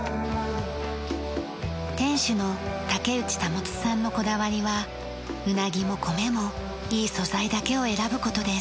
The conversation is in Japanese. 店主の竹内保さんのこだわりはうなぎも米もいい素材だけを選ぶ事です。